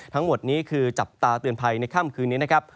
ทั้งหมดนี้คือจับตาเตือนภัยในค่ำคืนนี้นะครับ